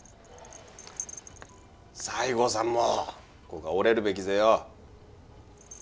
西郷さんもここは折れるべきぜよ。